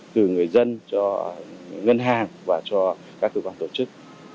từ người dân cho ngân hàng và cho các cơ quan tổ chức